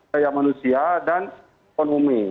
daya manusia dan konomi